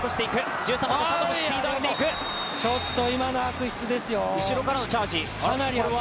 ちょっと今のは悪質ですよ。